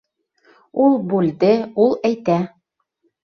Ул бүлде, ул әйтә!